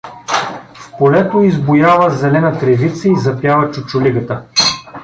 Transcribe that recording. В полето избуяла зелена тревица и запяла чучулигата.